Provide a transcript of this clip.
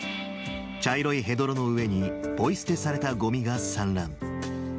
茶色いヘドロの上に、ポイ捨てされたごみが散乱。